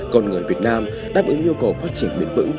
còn người việt nam đã bứng yêu cầu phát triển biển vực